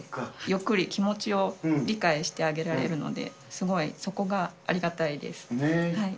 ゆっくり気持ちを理解してあげられるので、すごいそこがありがたいです。